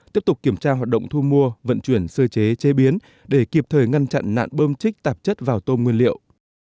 tiếp tục kiểm tra hoạt động thu mua vận chuyển sơ chế chế biến để kịp thời ngăn chặn nạn bơm chích tạp chất vào tôm nguyên liệu